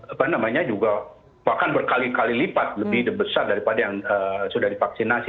apa namanya juga bahkan berkali kali lipat lebih besar daripada yang sudah divaksinasi